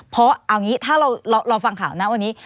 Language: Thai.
เพราะเอางี้ถ้าเราฟังข่าวนะวันนี้